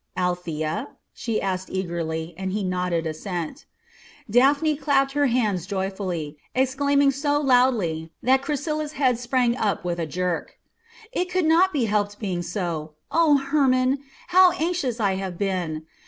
"Althea?" she asked eagerly, and he nodded assent. Daphne clapped her hands joyfully, exclaiming so loudly that Chrysilla's head sprang up with a jerk. "It could not help being so! O Hermon! how anxious I have been!